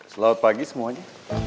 selamat pagi semuanya